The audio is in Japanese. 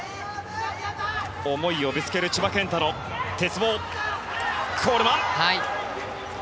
思いをぶつける千葉健太の鉄棒。